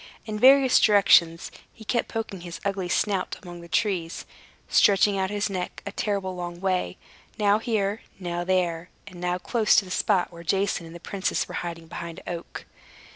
In various directions he kept poking his ugly snout among the trees, stretching out his neck a terrible long way, now here, now there, and now close to the spot where Jason and the princess were hiding behind an oak.